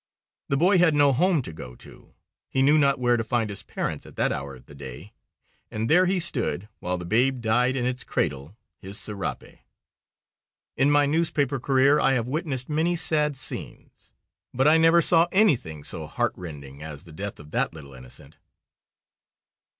The boy had no home to go to, he knew not where to find his parents at that hour of the day, and there he stood, while the babe died in its cradle, his serape. In my newspaper career I have witnessed many sad scenes, but I never saw anything so heartrending as the death of that little innocent."